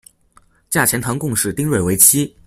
嫁钱塘贡士丁睿为妻。